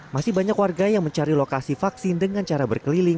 masih banyak warga yang mencari lokasi vaksin dengan cara berkeliling